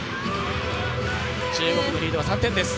中国のリードは３点です。